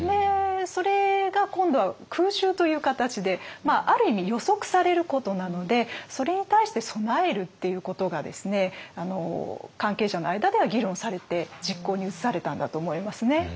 それが今度は空襲という形である意味予測されることなのでそれに対して備えるっていうことが関係者の間では議論されて実行に移されたんだと思いますね。